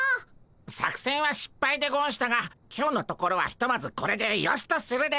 作戦はしっぱいでゴンしたが今日のところはひとまずこれでよしとするでゴンス。